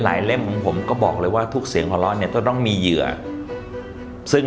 หลายเล่มผมก็บอกเลยว่าทุกเสียงขอร้อยต้องมีเหยื่อซึ่ง